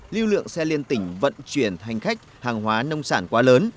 lưu lượng xe liên tỉnh vận chuyển hành khách hàng hóa nông sản quá lớn